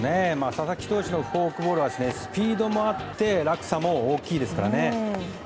佐々木朗希投手のフォークボールはスピードもあって落差も大きいですからね。